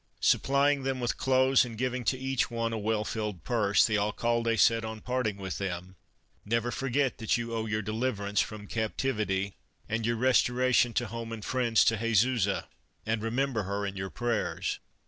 Supplying them with clothes and giving to each one a well filled purse, the Alcalde said, on parting with them: " Never forget that you owe your deliverance from Christmas Under Three Hags captivity, and your restoration to home and friends, to Jesusa, and remember her in your prayers."